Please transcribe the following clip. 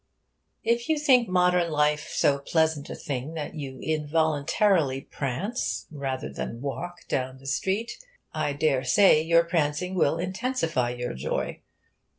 If you think modern life so pleasant a thing that you involuntarily prance, rather than walk, down the street, I dare say your prancing will intensify your joy.